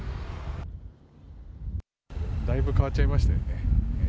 だいぶ変わっちゃいましたよね。